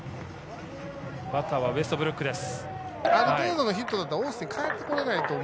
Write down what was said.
バッターはウェストブルックです。